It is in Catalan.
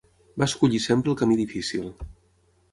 Va escollir sempre el camí difícil.